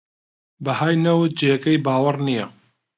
بەهای نەوت جێگەی باوەڕ نییە